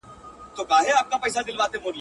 په څيرلو په وژلو كي بېباكه.